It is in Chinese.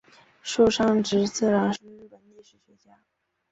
村上直次郎是日本历史学家。